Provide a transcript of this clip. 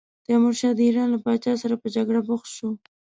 تیمورشاه د ایران له پاچا سره په جګړه بوخت شو.